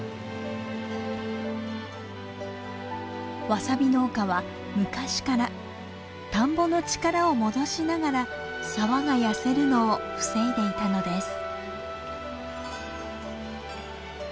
ワサビ農家は昔から田んぼの力を戻しながら沢が痩せるのを防いでいたのです。